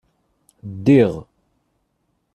Ddiɣ.